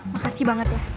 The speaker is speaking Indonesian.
makasih banget ya